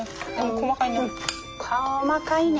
細かいね。